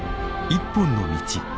「一本の道」。